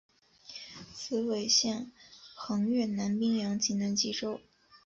此纬线横越南冰洋及南极洲。